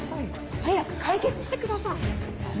早く解決してください！